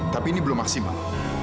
tapi ini belum maksimal